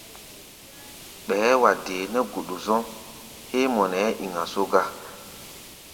Ɓɛɛ́ wa dee nɛ́ guɗu-zɔ̧́ héé mɔ nɛ ɛ́ɛ́ iŋa só gá.